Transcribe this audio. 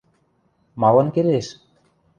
Малын келеш?